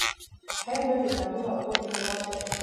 هند د کتابونو او پوهې هیواد دی.